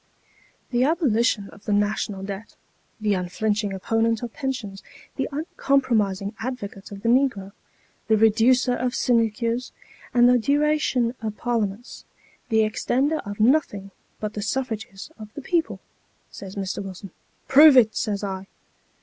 ' The abolitionist of the national debt, the unflinching opponent of pensions, the uncom promising advocate of the negro, the reducer of sinecures and the duration of Parliaments ; the extender of nothing but the suffrages of the people,' says Mr. Wilson. ' Prove it,' says I.